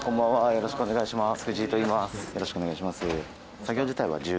よろしくお願いします。